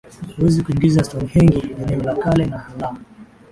huwezi kuingiza Stonehenge Eneo la kale na la